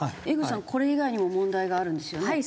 江口さんこれ以外にも問題があるんですよね？